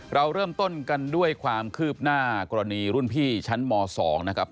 เราเริ่มต้นกันด้วยความคืบหน้ากรณีรุ่นพี่ชั้นม๒นะครับ